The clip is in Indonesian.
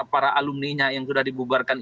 para alumni nya yang sudah dibubarkan